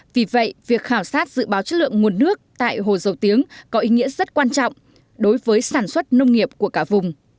vì vậy việc khảo sát dự báo chất lượng nguồn nước tại hồ dầu tiếng có ý nghĩa rất quan trọng đối với sản xuất nông nghiệp của cả vùng